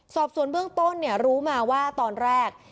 สอบส่วนเบื้องต้นรู้มาว่าตอนแรก